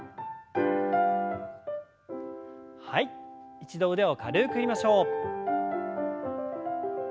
一度腕を軽く振りましょう。